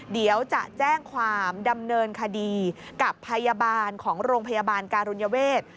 เดี๋ยวจะแจ้งความดำเนินคดีกับพยาบาลของโรงพยาบาลการุญเวท